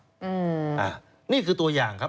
อ่านี่คือตัวอย่างครับ